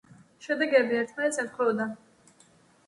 შედეგები ერთმანეთს ემთხვეოდა.